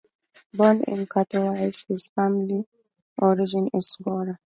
Born in Katowice, his family origin is Goral.